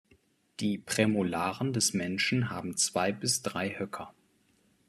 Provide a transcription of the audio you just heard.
Die Prämolaren des Menschen haben zwei bis drei Höcker.